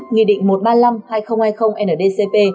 nghị định một trăm ba mươi năm hai nghìn hai mươi ndcp